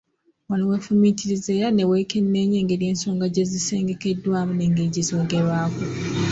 Wano weefumiitiriza era ne weekenneenya engeri ensonga gye zisengekeddwamu n’engeri gye zoogerwako.